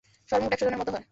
সর্বমোট একশজনের মত হয়।